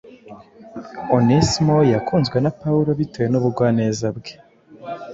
Onesimo yakunzwe na Pawulo bitewe n’ubugwaneza bwe